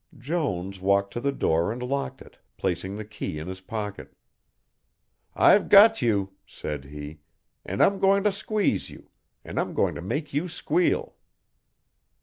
Jones walked to the door and locked it, placing the key in his pocket. "I've got you," said he, "and I'm going to squeeze you, and I'm going to make you squeal."